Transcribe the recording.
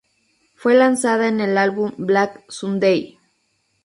Fue lanzada en el álbum "Black Sunday".